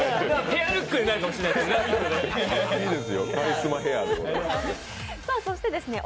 ペアルックになるかもしれないですね。